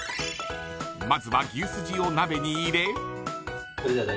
まずは牛すじを鍋に入れ。